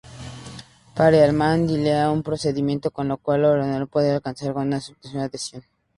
Perelman delinea un procedimiento con lo cual el orador puede alcanzar esta aceptación: adhesión.